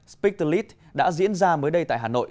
speed to lead đã diễn ra mới đây tại hà nội